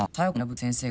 先生！